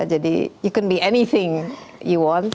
jadi kalian bisa jadi apa saja yang kalian mau